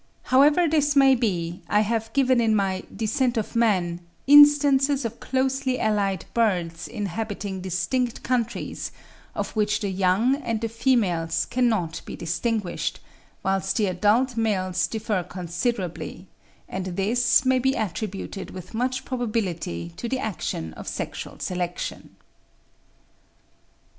However this may be, I have given in my 'Descent of Man' instances of closely allied birds inhabiting distinct countries, of which the young and the females cannot be distinguished, whilst the adult males differ considerably, and this may be attributed with much probability to the action of sexual selection.